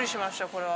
これは。